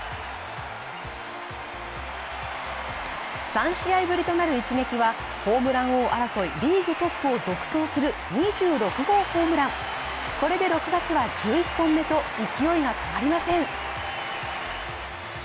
３試合ぶりとなる一撃はホームラン王争いリーグトップを独走する２６号ホームランこれで６月は１１本目と勢いが止まりません。